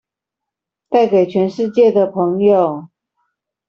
帶給全世界的朋友